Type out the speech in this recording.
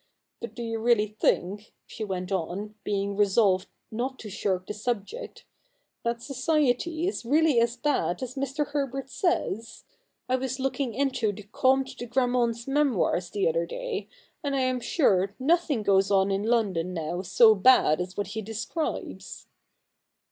But do you really think,' she went on, being resolved not to shirk the subject, ' that society is really as bad as Mr. Herbert says ? I was looking into the Comte de Grammont's Memoirs the other day, and I am sure nothing goes on in London now so bad as what he describes.'